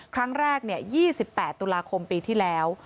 ครั้งแรก๒๘ตุลาคมปีที่แล้ว